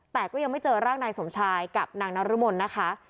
แต่ก็ยังไม่เจอร่างนายสมชายกับนางนรมนนะคะ